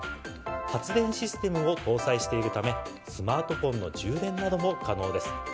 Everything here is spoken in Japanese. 発電システムも搭載しているためスマートフォンの充電なども可能です。